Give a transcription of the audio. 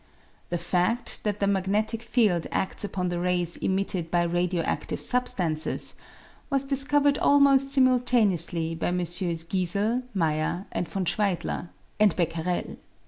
The fad that the magnetic field ads upon the rays emitted by radio adive substances was discovered almost simultaneously by MM. Giesel, Meyer and von Schweidler, and Becquerel.